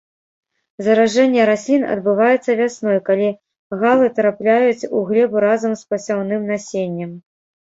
Заражэнне раслін адбываецца вясной, калі галы трапляюць у глебу разам з пасяўным насеннем.